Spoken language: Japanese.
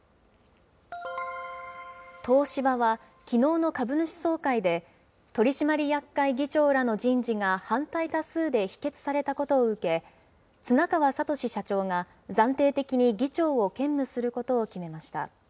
東芝はきのうの株主総会で、取締役会議長らの人事が反対多数で否決されたことを受け、綱川智社長が暫定的に議長を兼務することを決めました。